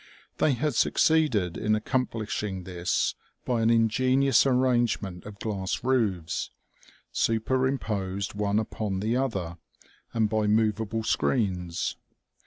They had succeeded in accomplish ing this by an ingenius arrangement of glass roofs, super posed one upon the other, and by movable screens.